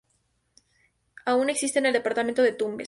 Aun existe en el departamento de Tumbes.